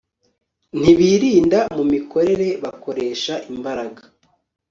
Ntibirinda mu mikorere Bakoresha imbaraga